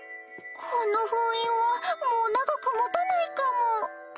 この封印はもう長く持たないかも。